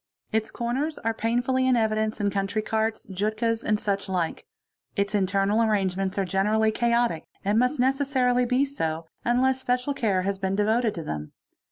Its corners are painfully in evidence in country carts, jutkas, and such like. Its internal arrangements are generally chaotic and must necessarily be so, unless special care has been devoted to them.